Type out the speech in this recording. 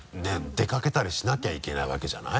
出掛けたりしなきゃいけないわけじゃない？